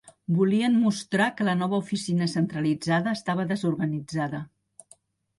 Volien mostrar que la nova oficina centralitzada estava desorganitzada.